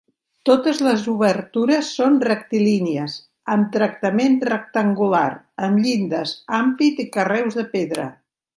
Totes les obertures són rectilínies, amb tractament rectangular, amb llindes, ampit i carreus de pedra.